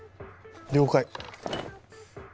了解。